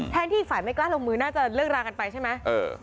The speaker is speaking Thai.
ที่อีกฝ่ายไม่กล้าลงมือน่าจะเลิกรากันไปใช่ไหม